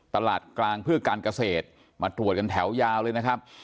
ตลาดกลางเพื่อการเกษตรมาตรวจกันแถวยาวเลยนะครับ